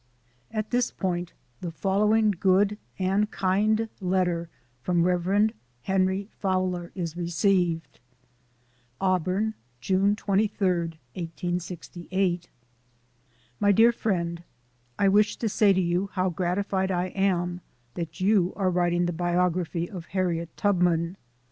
At this point the following good and kind letter from Rev. Henry Fowler is received : AUBURN, June 23, 1868. Mr DEAR FRIEXD: I wish to say to you how gratified I am that you are writing the biography of Harriet Tubrnan.